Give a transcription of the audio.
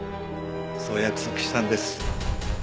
そう約束したんです。